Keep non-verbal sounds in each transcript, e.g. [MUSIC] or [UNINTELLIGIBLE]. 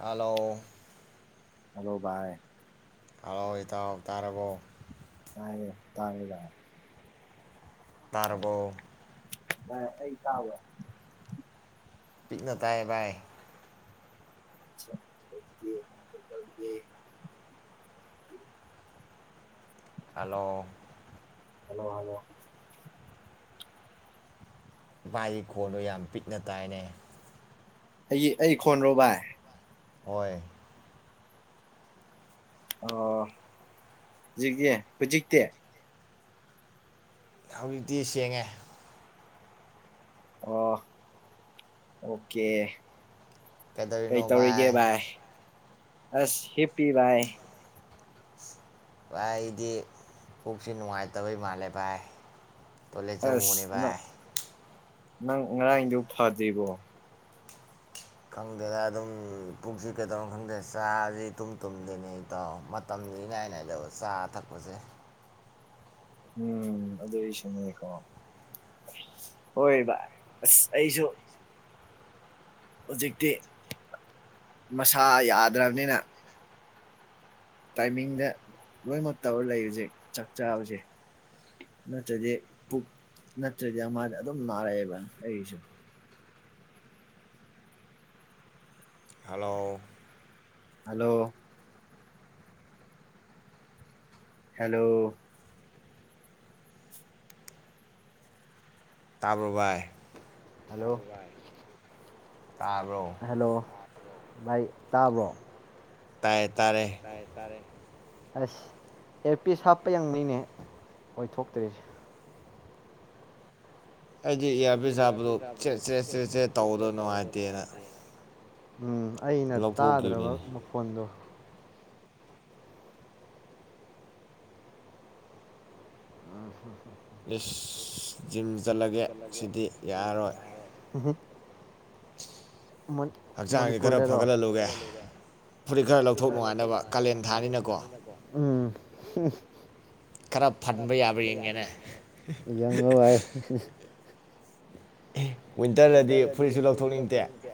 Hello hello bye hello ꯍ ꯇꯥꯎ ꯇꯥꯔꯔꯕꯣ ꯇꯥꯔꯦ ꯇꯥꯔꯦ ꯚꯥꯏ ꯄꯔꯒꯣ ꯑ ꯑꯩ ꯇꯥꯕ ꯃꯤꯤꯠꯅ ꯇꯥꯏ ꯥꯏ ꯑꯦ ꯍꯂꯣ ꯍꯜꯂꯣ ꯍꯜꯂꯣ ꯃꯥꯥꯏꯒꯤ ꯈꯣꯟꯗꯣ ꯌꯥꯝ ꯄꯤꯛꯅ ꯇꯥꯏꯅꯦ ꯑꯩ ꯑꯩ ꯈꯣꯟꯔꯣ ꯚꯏ ꯑꯣꯏ ꯑꯣ ꯍꯧꯖꯤꯛ ꯌꯦ ꯐꯖꯤꯛꯇꯦ ꯍꯧꯖꯤꯛꯇꯤ ꯁꯦꯡꯉꯦ ꯑ ꯑꯣꯀꯦ ꯀꯩꯇꯧꯔꯤꯒꯦ ꯚꯏ ꯑꯁ ꯍꯤꯄꯤꯤ ꯏ ꯚꯥꯏ ꯑꯩꯗꯤ ꯄꯨꯣꯛꯁꯤ ꯅꯨꯡꯉꯥꯏꯇꯕꯩ ꯃꯥꯜꯂꯦ ꯚꯥꯏ ꯇꯣꯂꯦꯠꯖꯕꯅꯦꯕ ꯅꯪ ꯉꯔꯥꯡꯗꯨ ꯐꯗ꯭ꯔꯤꯕꯣ ꯈꯪꯗꯦꯗ ꯑꯗꯨꯝ ꯄꯨꯛꯁꯤ ꯀꯩꯗꯧꯣ ꯈꯪꯗꯦ ꯆꯥꯁꯤ ꯇꯨꯝ ꯇꯨꯝꯗꯦꯅꯦ ꯏꯇꯥꯎ ꯃꯇꯝꯗꯤ ꯏꯅꯥꯥꯏ ꯅꯥꯏꯗꯕ ꯆꯥ ꯊꯛꯄꯁꯦ ꯎꯝ ꯑꯗꯨꯏꯁꯨꯅꯦꯀꯣ ꯍꯣꯏꯕ ꯑꯁ ꯑꯩꯁꯨ ꯍꯧꯖꯤꯛꯇꯤ ꯃꯁꯥ ꯌꯥꯗ꯭ꯔꯕꯅꯤꯅ ꯇꯥꯏꯃꯤꯡꯗ ꯂꯣꯏꯃꯛ ꯇꯧꯔ ꯂꯩ ꯍꯧꯖꯤꯛ ꯆꯥꯛ ꯆꯥꯕꯁꯦ ꯅꯠꯇ꯭ꯔꯗꯤ ꯄꯨꯛ ꯅꯠꯇ꯭ꯔꯗꯤ ꯑꯃꯗ ꯑꯗꯨꯝ ꯅꯥꯔꯛꯑꯦꯕ ꯑꯩꯁꯨ ꯍꯜꯂꯣ ꯍꯜꯂꯣ ꯍꯦꯜꯂꯣ ꯇꯥꯕ꯭ꯔꯣ ꯕꯥꯏ ꯍꯜꯂꯣ ꯇꯥꯕ꯭ꯔꯣ ꯚꯥꯏ ꯇꯥꯕ꯭ꯔꯣ ꯇꯥꯏ ꯇꯥꯏ ꯇꯥꯔꯦ ꯑꯁ ꯑꯦꯜꯄꯤꯁ ꯍꯥꯞꯄ ꯌꯥꯡꯕꯩꯅꯦ ꯑꯣꯏꯊꯣꯛꯇ꯭ꯔꯤꯁꯦ ꯑꯩꯗꯤ ꯏꯌꯥꯔꯕꯤꯁ ꯍꯥꯞꯕꯗꯨ ꯆꯦꯠ ꯆꯦꯠ ꯆꯦꯠ ꯆꯦꯠ ꯇꯧꯕꯗꯣ ꯅꯨꯡꯉꯥꯏꯇꯦꯅ ꯎꯝ ꯑꯩꯅ ꯇꯥꯗ꯭ꯔꯕ ꯃꯈꯣꯟꯗꯨ ꯑ ꯍ ꯏꯁ ꯖꯤꯝ ꯆꯠꯂꯒꯦ ꯁꯤꯗꯤ ꯌꯥꯔꯔꯣꯏ ꯃꯅꯤꯄꯨꯔꯗꯔꯣ [UNINTELLIGIBLE] ꯐꯨꯔꯤꯠ ꯈꯔ ꯂꯧꯊꯣꯛ ꯅꯨꯡꯉꯥꯏꯕ ꯀꯥꯂꯦꯟ ꯊꯥꯅꯤꯅꯀꯣ ꯎꯝ [UNINTELLIGIBLE] [UNINTELLIGIBLE] ꯌꯦꯡꯉꯣ ꯕꯥꯏ ꯎꯝ ꯋꯤꯟꯇꯔꯗꯗꯤ ꯐꯨꯔꯤꯠꯁꯨ ꯂꯧꯊꯣꯛꯅꯤꯡꯗꯦ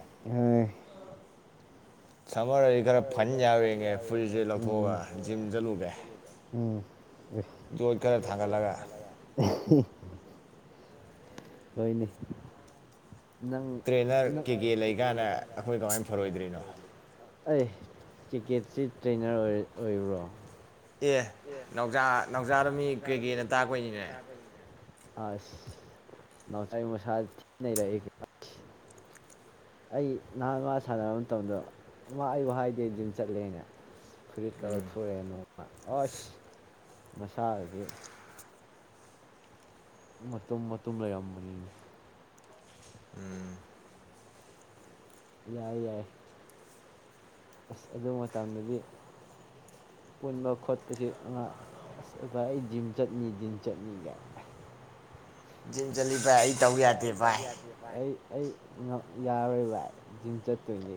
ꯁꯝꯃꯔꯗꯤ ꯈꯔ ꯐꯟ ꯌꯥꯕ꯭ꯔ ꯉꯦꯡꯒꯦ ꯐꯨꯔꯤꯠꯁꯦ ꯂꯧꯊꯣꯛꯑꯒ ꯖꯤꯝ ꯆꯠꯂꯨꯒꯦ [UNINTELLIGIBLE] ꯍꯣꯏꯅꯤ ꯇ꯭ꯔꯦꯅꯔ ꯀꯦ ꯀꯦ ꯂꯩꯀꯥꯟꯅ ꯑꯩꯈꯣꯏ ꯀꯃꯥꯏꯅ ꯐꯔꯣꯏꯗ꯭ꯔꯤꯅꯣ ꯑꯩ ꯇꯤꯛꯀꯦꯠꯁꯤ ꯇ꯭ꯔꯦꯅꯔ ꯑꯣꯏꯕ꯭ꯔꯣ ꯑꯦ ꯅꯥꯎꯖꯥ ꯅꯥꯎꯖꯥꯗ ꯃꯤ ꯀꯩꯀꯦꯅ ꯇꯥꯛꯄꯣꯏꯅꯤꯅꯦ ꯑꯁ ꯅꯥꯎꯇꯥꯏ ꯃꯁꯥ ꯊꯤꯅꯩꯔꯛꯑꯦ ꯑꯩ ꯅꯍꯥꯟ ꯃꯥ ꯁꯥꯟꯅꯕ ꯃꯇꯝꯗꯣ ꯃꯥ ꯑꯩ ꯋꯥ ꯍꯥꯏꯗꯦ ꯖꯤꯝ ꯆꯠꯂꯦꯅꯦ ꯑꯁ ꯐꯨꯔꯤꯠ ꯀꯥ ꯂꯧꯊꯣꯛꯔꯛꯑꯦꯅꯣ ꯑꯁ ꯃꯁꯥꯖꯦ ꯃꯇꯨꯝ ꯃꯇꯨꯝ ꯂꯩꯔꯝꯕꯅꯤ ꯎꯝ ꯌꯥꯏ ꯌꯥꯏ ꯑꯁ ꯑꯗꯨ ꯃꯇꯝꯗꯗꯤ ꯄꯨꯟꯕ ꯈꯣꯠꯄꯁꯤ ꯑꯁ ꯚꯥꯏ ꯑꯩ ꯖꯤꯝ ꯆꯠꯅꯤ ꯖꯤꯝ ꯆꯠꯅꯤ ꯀꯥꯏꯅ ꯖꯤꯟ ꯖꯂꯤ ꯚꯥꯏ ꯆꯠꯂꯤ ꯚꯥꯢ ꯑꯩ ꯇꯧ ꯌꯥꯗꯦ ꯚꯥꯏ ꯑꯩ ꯑꯩ ꯉꯝ ꯌꯥꯔꯣꯏ ꯚꯥꯢ ꯖꯤꯝ ꯆꯠꯇꯣꯏꯅꯤ꯫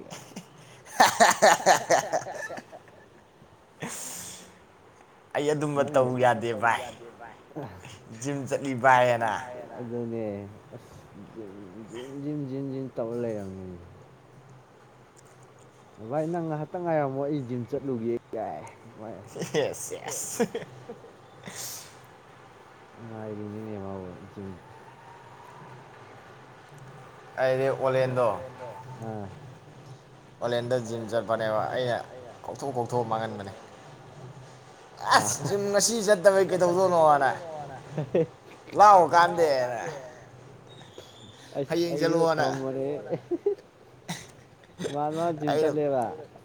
[UNINTELLIGIBLE] ꯅꯣꯏ ꯑꯗꯨꯝꯕ ꯇꯧ ꯌꯥꯗꯦ ꯚꯥꯏ [UNINTELLIGIBLE] ꯖꯤꯝ ꯆꯠꯂꯤ ꯆꯠꯂꯤ ꯍꯥꯢꯔꯦꯅꯥ ꯑꯗꯨꯅꯦ꯫ [UNINTELLIGIBLE] ꯑꯁ ꯖꯤꯝ ꯖꯤꯝ ꯖꯤꯝ ꯖꯤꯝ ꯖꯤꯝ ꯇꯧꯔ ꯂꯩꯔꯝꯅꯦꯃꯤ꯫ ꯚꯥꯏ ꯅꯪ ꯉꯥꯏꯍꯥꯛꯇꯪ ꯉꯥꯏꯔꯝꯃꯣ ꯑꯩ ꯖꯤꯝ ꯆꯠꯂꯨꯒꯦ ꯌꯥ ꯌꯦꯁ ꯌꯦꯁ ꯉꯥꯏꯔꯤꯅꯤ ꯅꯃꯕ ꯑꯩꯅꯦ ꯄꯣꯂꯦꯟꯗꯣꯣꯦꯟꯗ ꯖꯤꯅꯦꯕ ꯑꯩꯅ ꯄꯊꯣꯛ ꯄꯥꯎꯊꯣꯛ ꯃꯥꯡꯍꯟꯕꯅꯦꯖꯤꯠꯇꯕ ꯀꯩꯗꯧꯗꯣꯏꯅꯣꯅ ꯂꯥꯛꯑꯣ ꯀꯥꯟꯗꯦ [INAUDIBLE] ꯑꯁ ꯑꯩꯖꯨ [UNINTELLIGIBLE] [UNINTELLIGIBLE] ꯖꯤꯝ ꯆꯠꯂꯦꯕꯥ ꯑꯁ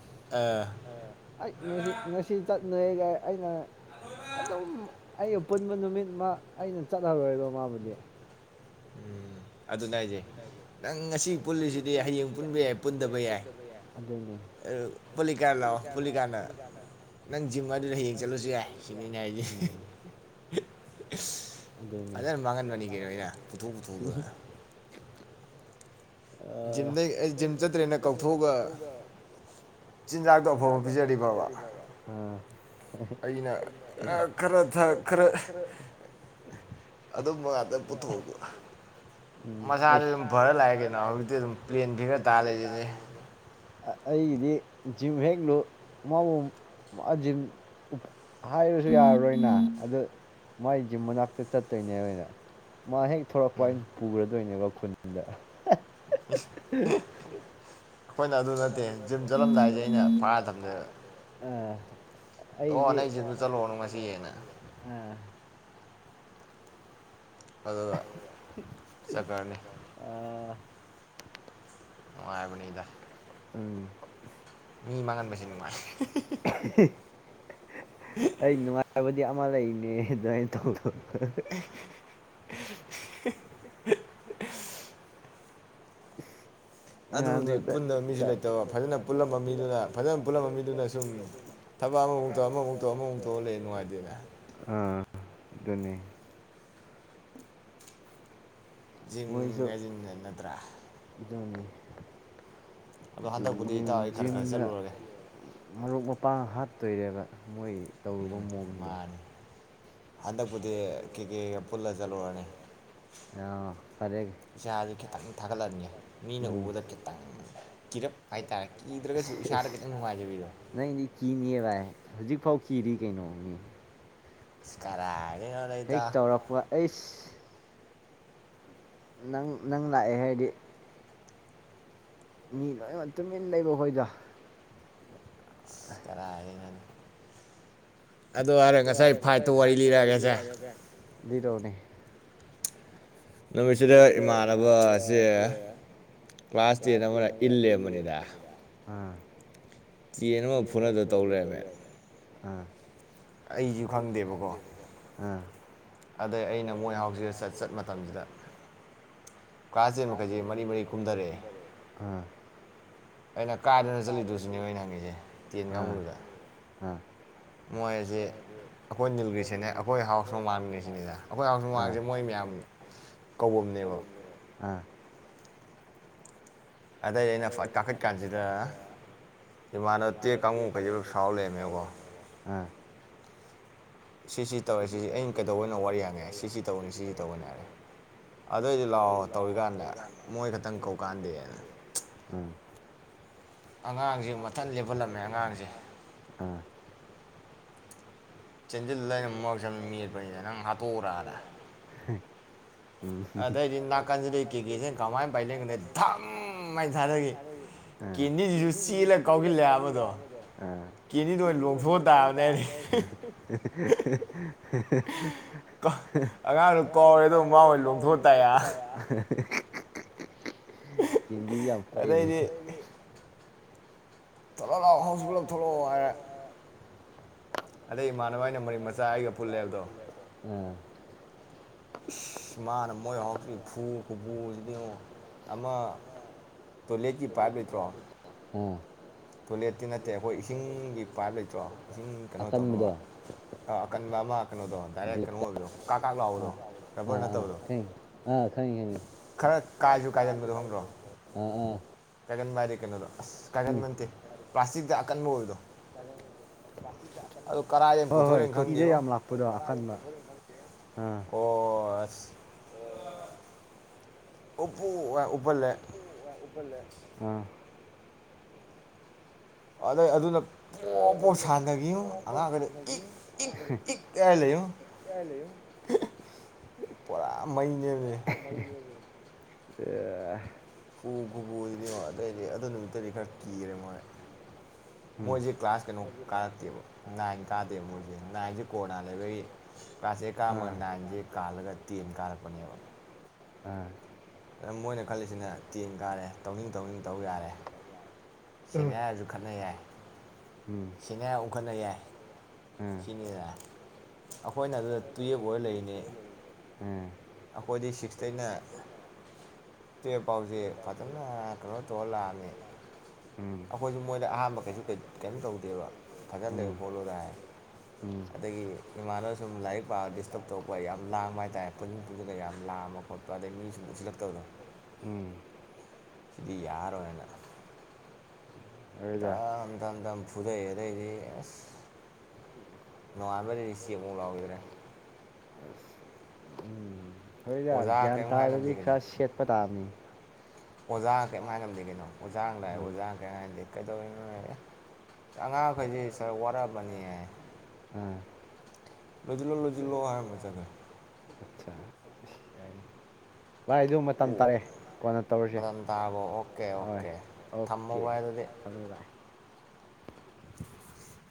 ꯑꯥ ꯑꯥꯢꯠ ꯉꯁꯤ ꯉꯁꯤ ꯆꯠ ꯅꯣꯏꯒ ꯑꯩꯅ ꯑꯗꯨꯝ ꯑꯩ ꯄꯨꯨꯟꯕ ꯅꯨꯃꯤꯠ ꯑꯃ ꯑꯩꯅ ꯆꯠꯍꯧꯔꯣꯏꯕ ꯃꯥꯕꯨꯗꯤ ꯑꯗꯨ ꯅ ꯍꯥꯏꯖꯦ ꯅꯪ ꯉꯁꯤ ꯄꯨꯜꯂꯤꯁꯤꯗꯤ ꯍꯌꯦꯡ ꯄꯨꯟꯕ ꯌꯥꯏ ꯄꯨꯟꯗꯕ ꯌꯥꯏ ꯄꯨꯣꯂꯤꯀꯥ ꯂꯥꯛꯑꯣ ꯄꯨꯣꯂꯤꯀꯥꯟꯅ ꯅꯪ ꯖꯤꯝ ꯑꯗꯨꯗ ꯍꯌꯦꯡ ꯆꯠꯂꯁꯨ ꯌꯥꯏ ꯁꯤꯅꯤꯅꯦ ꯍꯥꯏꯗꯤ ꯐꯖꯅ ꯃꯥꯡꯍꯟꯕꯅꯤ ꯀꯩꯅꯣꯩꯅ ꯄꯨꯊꯣꯛ ꯄꯨꯊꯣꯛꯇꯒ ꯖꯤꯝꯗꯒꯤ ꯑꯩ ꯖꯤꯝ ꯆꯠꯇ꯭ꯔꯦꯅ ꯀꯧꯊꯣꯛꯑꯒ ꯆꯤꯟꯖꯥꯛꯇꯣ ꯑꯐꯕ ꯄꯤꯖꯔꯤ ꯕꯕꯥ ꯑꯩꯅ ꯈꯔ ꯈꯔ ꯑꯗꯨꯝꯕ ꯉꯥꯛꯇ ꯄꯨꯊꯣꯛꯄ ꯃꯁꯥꯗ ꯑꯗꯨꯝ ꯐꯔ ꯂꯥꯛꯑꯒꯦ ꯒꯦ ꯌꯦꯟ ꯇꯥꯗꯣꯏꯔꯤ ꯑꯩꯒꯤꯗꯤ ꯖꯤꯝ ꯍꯦꯛꯂꯨ ꯃꯥꯕꯨ ꯖꯤꯝ ꯍꯥꯏꯔꯁꯨ ꯌꯥꯔꯔꯣꯏꯅ ꯑꯗꯨ ꯃꯒꯤ ꯖꯤꯝ ꯃꯅꯥꯛꯇ ꯆꯠꯇꯣꯏꯅꯦ ꯑꯣꯏꯅ ꯃꯥ ꯍꯦꯛ ꯊꯂꯛꯄ ꯑꯩꯅ ꯄꯨꯈ꯭ꯔꯗꯣꯏꯅꯦꯕ ꯈꯨꯟꯗ ꯑꯦ [INAUDIBLE] ꯑꯩꯈꯣꯏꯅ ꯑꯗꯨ ꯅꯠꯇꯦꯩꯅ ꯑꯣ ꯅꯪ ꯑꯩꯁꯤꯗ ꯆꯠꯂꯛꯑꯣꯅ ꯉꯁꯤ ꯌꯦꯦꯅ ꯑꯗꯨꯒ ꯆꯀꯥꯔꯅꯤ ꯅꯨꯡꯉꯥꯏꯕꯅꯤꯗꯥ꯫ ꯎꯝ ꯃꯤ ꯃꯉꯥꯟ ꯃꯁ ꯅꯨꯡ ꯃꯥꯥꯏ ꯑꯩ ꯅꯨꯡꯉꯥꯏꯔꯕꯗꯤ ꯑꯃ ꯂꯩꯔꯤꯅꯦ ꯑꯗꯨꯃꯥꯢ ꯊꯧꯗꯣ [INAUDIBLE] ꯑꯦ [INAUDIBLE] [UNINTELLIGIBLE] [INAUDIBLE] [INAUDIBLE] [INAUDIBLE] ꯗꯨꯅꯦ꯫ ꯖꯤꯡꯉ ꯖꯤꯡꯉ ꯅꯠꯇ꯭ꯔꯥ? ꯖꯤꯝ ꯖꯤꯝ ꯖꯤꯝꯅ ꯃꯔꯨꯞ ꯃꯄꯥꯡ ꯍꯥꯠ ꯇꯣꯏꯔꯦꯕ꯫ ꯃꯣꯏ ꯇꯧꯔꯨꯕ ꯃꯋꯣꯡꯗꯣ ꯍꯟꯗꯛꯄꯨꯗꯤ ꯀꯩ ꯀꯩꯒ ꯄꯨꯜꯂ ꯆꯠꯂꯨꯔꯅꯤ ꯏꯁꯥꯁꯦ ꯈꯤꯇꯪ ꯊꯥꯒꯠꯂꯅꯤ ꯃꯤꯅ ꯎꯕꯗ ꯈꯤꯇꯪ ꯀꯤꯔꯞ ꯍꯥꯏꯇꯥꯔꯦ ꯀꯤꯗ꯭ꯔꯒꯁꯨ ꯏꯁꯥꯗ ꯈꯤꯇꯪ ꯅꯨꯡꯉꯥꯏꯖꯕꯤꯗꯣ ꯀꯤꯔꯤ ꯀꯩꯅꯣ ꯃꯤ ꯏꯁ ꯀꯔꯥ ꯍꯦꯛ ꯇꯧꯔꯛꯄ ꯑꯩꯁ ꯅꯪ ꯅꯪ ꯂꯥꯛꯑꯦ ꯍꯥꯏꯗꯤ ꯃꯤ ꯂꯣꯏꯅꯃꯛ ꯇꯨꯃꯤꯟ ꯂꯩꯕ ꯑꯩꯈꯣꯏꯗ ꯀꯔ ꯑꯗꯨ ꯍꯥꯏꯔꯦ ꯉꯁꯥꯏ ꯐꯥꯏꯠꯇꯣ ꯋꯥꯔꯤ ꯂꯤꯔꯛꯑꯒꯦꯁꯦ ꯔꯣꯅꯤ ꯅꯨꯃꯤꯠꯁꯤꯗ ꯏꯃꯥꯟꯅꯕꯁꯦ ꯀ꯭ꯂꯥꯁ ꯇꯦꯟ ꯑꯃꯅ ꯏꯜꯂꯕꯅꯤꯗ ꯑꯥ ꯆꯦ ꯑꯃ ꯐꯨꯅꯗ ꯇꯧ ꯂꯩꯃꯦ ꯑꯥ ꯑꯩꯁꯨ ꯈꯪꯗꯦꯕꯀꯣ ꯑꯥ [INAUDIBLE] [UNINTELLIGIBLE] [INAUDIBLE] [UNINTELLIGIBLE] [INAUDIBLE] [UNINTELLIGIBLE] [INAUDIBLE] [UNINTELLIGIBLE] [INAUDIBLE] [UNINTELLIGIBLE] [INAUDIBLE] [UNINTELLIGIBLE] ꯃꯣꯏꯖꯦ ꯑꯩꯈꯣꯏ ꯅꯤꯜꯒꯤꯁꯤꯅꯦ ꯑꯩꯈꯣꯏ ꯍꯥꯎꯁ ꯃꯃꯥꯡꯉ ꯁꯤꯅꯤꯗ ꯑꯩꯈꯣꯏ ꯍꯥꯎꯁ ꯅꯨꯡꯃꯥꯡꯁꯦ ꯃꯣꯏ ꯃꯌꯥꯝ ꯀꯧꯕꯅꯦꯕ ꯑꯗꯩ ꯑꯩꯅ ꯀꯥꯈꯠꯀꯥꯟꯁꯤꯗ ꯏꯃꯥꯟꯅꯕ ꯇꯦ ꯀꯥꯡꯉꯕꯨ ꯀꯩꯖ ꯁꯥꯎꯔ ꯂꯩꯔꯝꯃꯦꯕꯀꯣ ꯑꯥ ꯁꯤꯁꯤ ꯇꯧꯔꯦ ꯁꯤꯁꯤ ꯑ ꯀꯩꯗꯧꯕ ꯑꯣꯏꯅꯣ ꯋꯥꯔꯤ ꯌꯦꯡꯉꯦ ꯁꯤꯁꯤ ꯇꯧꯅꯤ ꯁꯤꯁꯤ ꯇꯧꯒꯅꯤ ꯍꯥꯏꯔꯦ ꯑꯗꯨꯑꯣꯏꯗꯤ ꯂꯥꯛꯑꯣ ꯇꯧꯔꯤꯀꯥꯟꯗ ꯃꯣꯏ ꯈꯛꯇꯪ ꯀꯧꯀꯥꯟꯗꯦꯅ ꯑꯉꯥꯡꯁꯦ ꯃꯊꯟ ꯂꯦꯞꯍꯜꯂꯝꯃꯦ ꯑꯉꯥꯡꯁꯦ ꯆꯦꯟꯁꯤꯜ ꯂꯅ ꯃꯔꯁ ꯃꯦꯠꯄꯅꯤꯗ ꯅꯪ ꯍꯥꯠꯇꯣꯛꯎꯔꯗ ꯎ ꯑꯗꯩꯗꯤ ꯅꯥꯀꯟꯗꯨꯗ ꯀꯃꯥꯏꯅ ꯊꯥ ꯆꯅꯤꯁꯤꯂ ꯀꯧꯁꯤꯜꯂꯦꯕꯗꯣ ꯆꯦꯅꯤꯗꯣ ꯂꯊꯣꯛ ꯍꯦ ꯍꯦ ꯍꯦ ꯍꯥ ꯍꯥ ꯍꯥ ꯑꯉꯥꯡꯗꯣ ꯀꯥꯎꯔꯦ ꯑꯗꯨꯝ ꯃꯥ ꯍꯣꯏ ꯂꯣꯡꯊꯣꯛ ꯇꯥꯏꯦ ꯀꯂꯤꯅꯦ ꯊꯣꯛꯂꯛꯥꯎꯑꯣ ꯍꯥꯎꯁꯒꯂꯞ ꯊꯣꯛꯂꯛꯑꯣ ꯍꯥꯏꯔ ꯑꯗꯩ ꯏꯃꯥꯟꯅꯕ ꯑꯩꯅ ꯃꯔꯤ ꯃꯆꯥ ꯑꯩꯒ ꯄꯨꯜꯂꯦꯕꯗꯣ ꯑꯥ ꯃꯥꯅ ꯃꯣꯏ ꯍꯧꯔꯁꯤ ꯐꯨ ꯈꯨꯄꯨꯁꯤꯅꯤ ꯑꯃ ꯇꯣꯏꯂꯦꯠꯀꯤ ꯄꯥꯏ ꯂꯩꯇ꯭ꯔꯣ ꯇꯣꯏꯂꯦꯠꯇꯤ ꯅꯠꯇꯦ ꯑꯩꯈꯣꯏ ꯏꯁꯤꯡꯒꯤ ꯄꯥꯏꯞ ꯂꯩꯇ꯭ꯔꯣ ꯏꯁꯤꯡ ꯀꯩꯅꯣ ꯇꯧꯅꯕ ꯑꯀꯟꯕ ꯑꯃ ꯀꯩꯅꯣꯗꯧꯕ ꯗꯥꯏꯔꯦꯛ ꯀꯩꯅꯣ ꯑꯣꯏꯕꯗꯣ ꯀꯥꯛ ꯀꯥꯛ ꯂꯥꯎꯕꯗꯣ ꯔꯕꯔ ꯅꯠꯇꯕꯗꯣ ꯈꯔ ꯀꯥꯏꯁꯨ ꯀꯥꯏꯁꯤꯟꯕꯗꯣ ꯈꯪꯗ꯭ꯔꯣ ꯀꯥꯏꯒꯟ ꯃꯔꯦ ꯀꯩꯅꯣꯗꯣ ꯑꯁ ꯀꯥꯏꯒꯟꯕꯟꯠꯇꯦ ꯄ꯭ꯂꯥꯁꯇꯤꯛꯇ ꯑꯀꯟꯕ ꯑꯣꯏ ꯍꯣꯏ ꯍꯣꯏ ꯇꯣꯇꯤꯗꯩ ꯌꯥꯝ ꯂꯥꯛꯄꯗꯣ ꯑꯀꯟꯕ ꯑꯣꯜꯂꯣ ꯑꯣ ꯑꯣ ꯎꯕꯜ ꯂꯩꯦ ꯑꯥ ꯑꯗꯩ ꯑꯗꯨꯅ ꯑꯗ ꯑꯗꯨꯅ ꯁꯥꯟꯗ ꯀ ꯑ ꯎ ꯈꯨꯕꯨꯗꯤ ꯑꯗꯩꯗꯤ ꯑꯗꯨ ꯅꯨꯃꯤꯠꯇꯗꯤ ꯈꯔ ꯀꯤꯔꯦ ꯃꯥꯣꯏ ꯃꯣꯏꯁꯦ ꯀ꯭ꯂꯥꯁ ꯀꯩꯅꯣ ꯀꯥꯔꯛꯇꯦꯕ ꯅꯥꯏꯟ ꯀꯥꯗꯦꯕ ꯃꯣꯏꯁꯦ ꯅꯥꯏꯟꯁꯦ ꯀꯣꯔꯅꯥꯜ ꯂꯩꯕꯒꯤ ꯀ꯭ꯂꯥꯁꯦ ꯀꯥꯔꯝꯃꯒ ꯅꯥꯏꯟꯁꯦ ꯀꯥꯜꯂꯒ ꯇꯦꯟ ꯀꯥꯔꯛꯄꯅꯦꯕ ꯑꯥ ꯑꯗꯨ ꯃꯣꯏꯅ ꯈꯜꯂꯤꯁꯤꯅ ꯇꯦꯟ ꯀꯥꯔꯦ ꯇꯧꯅꯤꯡ ꯇꯧꯅꯤꯡ ꯇꯧ ꯌꯥꯔꯦ ꯁꯤꯅꯦꯁꯨꯛ ꯈꯥꯟꯅ ꯌꯥꯦ ꯁꯤꯅ ꯑꯣꯡꯈꯠꯅ ꯌꯥꯏ ꯀꯅꯤꯔ ꯑꯩꯈꯣꯏꯅ ꯑꯗꯨꯗ ꯇꯨꯌꯦꯕ ꯑꯣꯏꯔ ꯂꯩꯔꯤꯅꯤ ꯑꯩꯈꯣꯏꯗꯤ ꯁꯤꯛꯁꯇꯩꯅ ꯇ ꯄꯥꯎꯁꯦ ꯐꯖꯅ ꯀꯩꯅꯣ ꯇꯧꯔ ꯂꯥꯛꯑꯃꯤ ꯑꯩꯈꯣꯏꯁꯨ ꯃꯣꯏꯅ ꯑꯍꯥꯟꯕ ꯀꯩꯁꯨ ꯀꯩꯅꯣ ꯇꯧꯗꯦꯕ ꯐꯖꯅ ꯂꯩꯕ ꯈꯣꯠꯂꯣꯗ ꯍꯥꯏ ꯑꯗꯒꯤ ꯏꯃꯥꯅ ꯁꯨꯝ ꯂꯥꯏꯔꯤꯛ ꯄꯥꯕꯒ ꯗꯤꯁꯇꯔꯕ ꯇꯧꯔꯛꯄ ꯌꯥꯝ ꯂꯥꯡꯕ ꯍꯥꯏ ꯇꯔꯦ ꯄꯨꯟꯅꯤꯡ ꯄꯨꯟꯁꯤꯟꯂ ꯌꯥꯝ ꯂꯥꯡꯕ ꯈꯣꯠꯄ ꯑꯗꯒꯤ ꯃꯤ ꯁꯨꯝ ꯎꯁꯤꯜꯂꯛꯇꯕꯗꯣ ꯏꯗꯤ ꯌꯥꯔꯣ ꯌꯦꯅꯔ ꯝ ꯝ ꯝ ꯐꯨꯗꯩ ꯑꯗꯩꯗꯤ ꯑꯁ ꯅꯣꯡꯉꯥꯟꯕꯔꯤꯗꯤ ꯆ ꯑꯃꯐꯨꯛ ꯂꯥꯎꯈꯤꯗ꯭ꯔꯦ ꯑꯩꯣꯏꯅ ꯒ꯭ꯌꯥꯟ ꯇꯥꯗꯗꯤ ꯈꯔ ꯁꯦꯠꯄ ꯇꯥꯕꯅꯤ ꯑꯣꯖꯥ ꯀꯔꯤꯝ ꯍꯥꯏꯅ ꯂꯩ ꯀꯅꯣ ꯑꯣꯖꯥꯗꯥꯏ ꯑꯣꯖꯥ ꯀꯩꯝꯥꯏꯅ ꯀꯩꯗꯧꯅꯣ ꯑꯉꯥꯡꯈꯩꯁꯦ ꯁꯥꯔ ꯋꯥꯔꯛꯑꯕꯅꯤ ꯍꯥꯏ ꯂꯣꯏꯁꯤꯜꯂꯣ ꯂꯨꯁꯤꯜꯂꯣ ꯍꯥꯏꯔꯃ ꯆꯠꯈ ꯚꯥꯏ ꯑꯗꯨ ꯃꯇꯝ ꯇꯥꯔꯛꯑꯦ ꯀꯣꯟꯅ ꯇꯧꯔꯁꯦ ꯍꯣꯏ ꯑꯣꯀꯦ ꯊꯝꯃꯃꯦ ꯚꯥꯏ [INAUDIBLE]